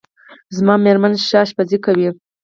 زما میرمن ښه پخلی کوي